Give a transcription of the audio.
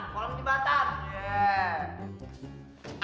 kolong di batang